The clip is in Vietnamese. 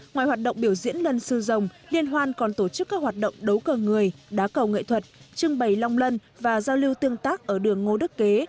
ngoài hoạt động biểu diễn lân sư dòng liên hoan còn tổ chức các hoạt động đấu cờ người đá cầu nghệ thuật trưng bày long lân và giao lưu tương tác ở đường ngô đức kế